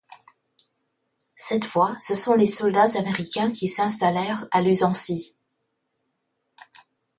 Cette fois, ce sont les soldats américains qui s'installèrent à Luzancy.